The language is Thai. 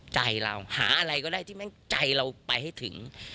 ใจเราหาอะไรก็ได้ที่แม่งใจเราไปให้ถึง